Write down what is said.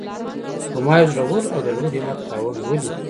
خو ما يو زړور او د لوړ همت خاوند وليد.